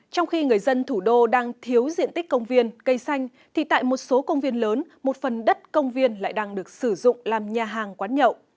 trong khi người dân thủ đô đang thiếu diện tích công viên cây xanh thì tại một số công viên lớn một phần đất công viên lại đang được sử dụng làm nhà hàng quán nhậu